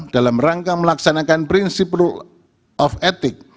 dalam rangka melaksanakan prinsip of etik